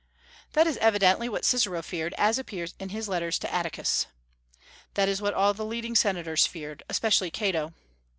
That is evidently what Cicero feared, as appears in his letters to Atticus. That is what all the leading Senators feared, especially Cato.